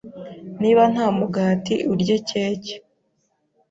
Niba nta mugati, urye keke.